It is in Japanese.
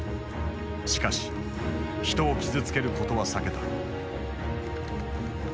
しかし人を傷つけることは避けた。